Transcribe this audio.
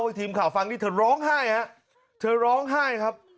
ให้ทีมข่าวฟังนี่เธอร้องไห้ฮะเธอร้องไห้ครับ